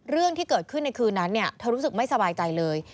เรื่องที่เกิดขึ้นในคืนนั้นเธอรู้สึกไม่สบายใจเลย